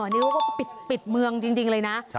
นี่เขาก็ปิดเมืองจริงเลยนะ